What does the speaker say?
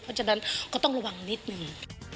เพราะฉะนั้นก็ต้องระวังนิดนึง